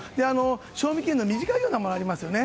賞味期限の短いものもありますよね。